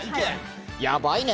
やばいね。